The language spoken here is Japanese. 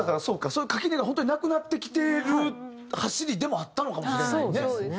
そういう垣根が本当になくなってきてるはしりでもあったのかもしれないね。